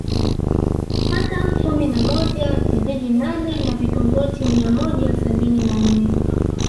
Kata kumi na moja vijiji nane na vitongoji mia moja sabini na nne